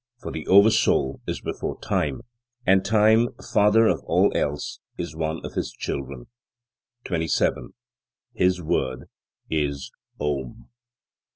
For the Oversoul is before Time, and Time, father of all else, is one of His children. 27. His word is OM.